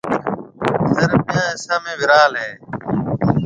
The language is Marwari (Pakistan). ٿر ٻيو حصو ۾ ورال ھيََََ